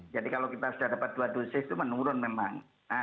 jadi kalau kita sudah dapat dua dosis itu menurun memang